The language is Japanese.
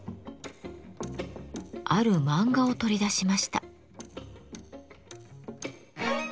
ある漫画を取り出しました。